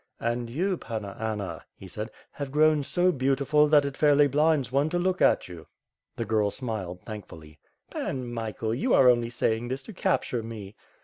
\ "And you, Panna Anna," he said, ^Tiave grown so beautiful that it fairly blinds one to look at you." The girl smiled thankfully. "Pan Michael, you are only saying this to capture me."